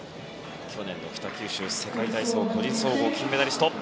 去年の北九州世界体操個人総合の金メダリスト。